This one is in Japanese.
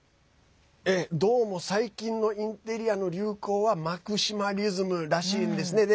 どうも最近のインテリアの流行はマキシマリズムらしいんですね。